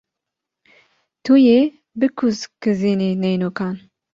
Tu yê bikûzkizînî neynokan.